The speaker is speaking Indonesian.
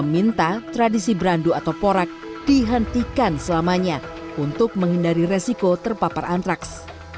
meminta tradisi berandu atau porak dihentikan selamanya untuk menghindari resiko terpapar antraks